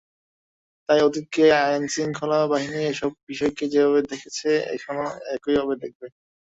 তাই অতীতে আইনশৃঙ্খলা বাহিনী এসব বিষয়কে যেভাবে দেখেছে, এখনো একইভাবে দেখবে।